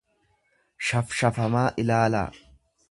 shafshafamaa ilaalaa.